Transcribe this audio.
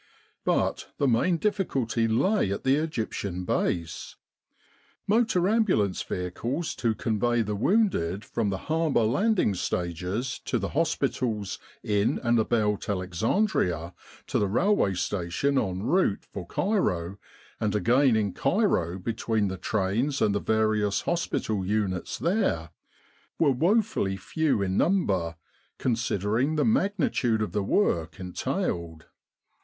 But the main difficulty lay at the Egyptian Base. Motor ambulance vehicles to convey the wounded from the harbour landing stages to the hospitals in and about Alexandria, to the railway station en route for Cairo, and again in Cairo between the trains and the various hospital units there, were woefully few in number considering the magnitude of the work en tailed.